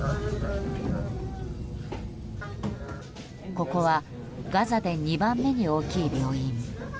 ここはガザで２番目に大きい病院。